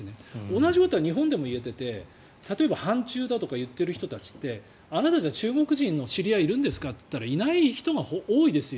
同じことは日本でも言えていて例えば反中だとかって言っている人はあなたたち中国人の知り合いいるんですかと言ったらいない人が多いですよ